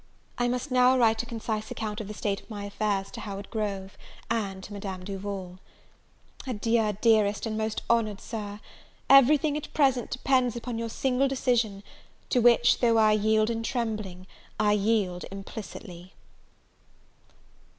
I must now write a concise account of the state of my affairs to Howard Grove, and to Madame Duval. Adieu, dearest and most honoured Sir! everything at present depends upon your single decision; to which, though I yield in trembling, I yield implicitly.